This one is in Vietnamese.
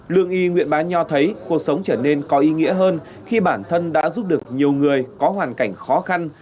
lương y nguyễn bán nho thấy cuộc sống trở nên có ý nghĩa hơn khi bản thân đã giúp được nhiều người có hoàn cảnh khó khăn